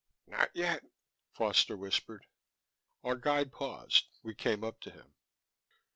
"Not yet," Foster whispered. Our guide paused; we came up to him.